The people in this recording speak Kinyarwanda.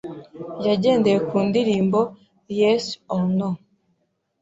yagendeye ku ndirimbo Yes Or No